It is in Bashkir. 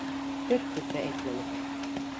Бер һүҙ ҙә әйтмәнек.